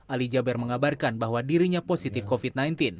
ali jaber mengabarkan bahwa dirinya positif covid sembilan belas